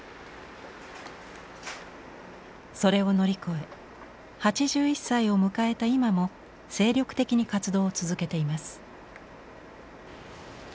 それを乗り越え８１歳を迎えた今も精力的に活動を続けています。